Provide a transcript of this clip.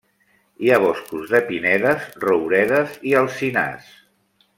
Hi ha boscos de pinedes, rouredes i alzinars.